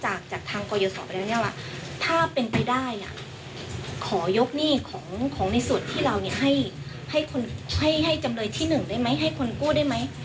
จากจากทางกรยศไปแล้วเนี่ยว่าถ้าเป็นไปได้ขอยกหนี้ของในส่วนที่เราเนี่ยให้จำเลยที่๑ได้ไหมให้คนกู้ได้ไหม